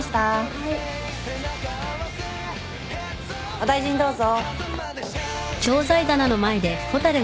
お大事にどうぞ。